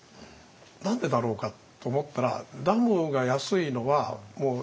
何でだろうかと思ったらダムが安いのはもう